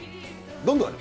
どんどんある。